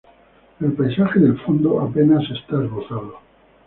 El paisaje del fondo apenas está esbozado.